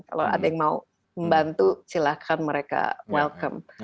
kalau ada yang mau membantu silahkan mereka welcome